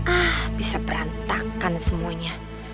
ah bisa berantakan semuanya